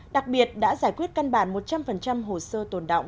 đặc biệt đã giải quyết căn bản một trăm linh hồ sơ tồn động